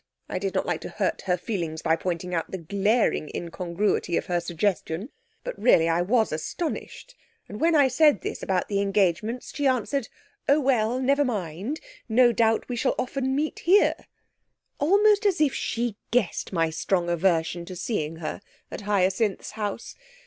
I did not like to hurt her feelings by pointing out the glaring incongruity of her suggestion, but really I was astonished; and when I said this about the engagements, she answered, "Oh well, never mind; no doubt we shall often meet here," almost as if she guessed my strong aversion to seeing her at Hyacinth's house.